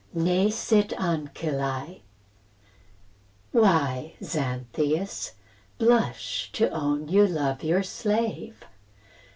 NE SIT ANCILLAE Why, Xanthias, blush to own you love Your slave?